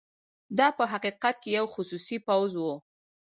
دا په حقیقت کې یو خصوصي پوځ وو.